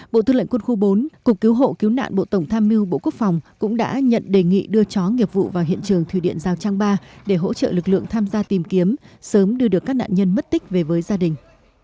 bộ tư lệnh quân khu bốn cục cứu hộ cứu nạn bộ tổng tham mưu bộ quốc phòng cũng đã nhận đề nghị đưa chó nghiệp vụ vào hiện trường thủy điện giao trang ba để hỗ trợ lực lượng tham gia tìm kiếm sớm đưa được các nạn nhân mất tích về với gia đình